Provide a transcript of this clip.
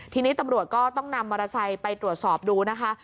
ทีนี้ตำรวจก็ต้องนำมอเตอร์ไซค์ไปตรวจสอบดูนะคะ